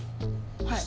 はい。